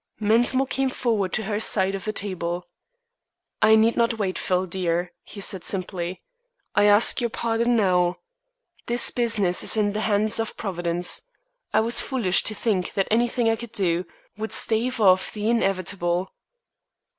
Mensmore came forward to her side of the table. "I need not wait, Phil, dear," he said simply. "I ask your pardon now. This business is in the hands of Providence. I was foolish to think that anything I could do would stave off the inevitable."